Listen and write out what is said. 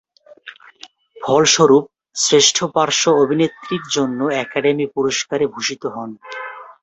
ফলস্বরুপ শ্রেষ্ঠ পার্শ্ব অভিনেত্রীর জন্য একাডেমি পুরস্কার-এ ভূষিত হন।